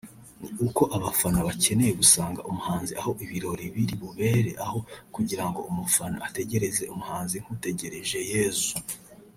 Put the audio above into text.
ni uko abafana bakeneye gusanga umuhanzi aho ibirori biri bubere aho kugirango umufana ategereze umuhanzi nk’utegereje Yezu